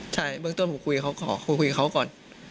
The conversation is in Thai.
ใช่เบื้องต้นผมคุยกับเขาก่อน